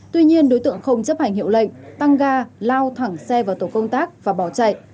tuy nhiên đối tượng không chấp hành hiệu lệnh tăng ga lao thẳng xe vào tổ công tác và bỏ chạy